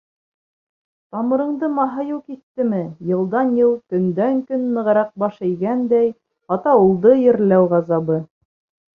Тамырыңды маһайыу киҫтеме, Йылдан-йыл, көндән-көн нығыраҡ Баш эйгәндәй, Ата улды ерләү ғазабы.